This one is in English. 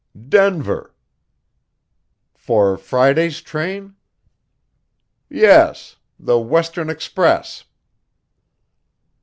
"Denver." "For Friday's train?" "Yes. The Western Express."